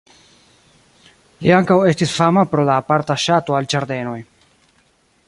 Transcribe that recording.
Li ankaŭ estis fama pro la aparta ŝato al ĝardenoj.